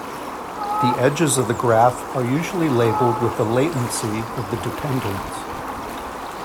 The edges of the graph are usually labelled with the latency of the dependence.